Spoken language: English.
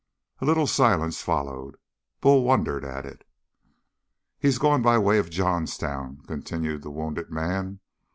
A little silence followed. Bull wondered at it. "He's gone by way of Johnstown," continued the wounded man.